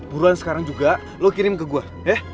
buruan sekarang juga lo kirim ke gua eh